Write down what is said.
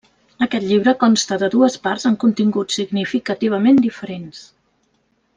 Aquest llibre consta de dues parts amb continguts significativament diferents.